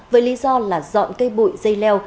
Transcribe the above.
với lý do là dọn cây bụi dây leo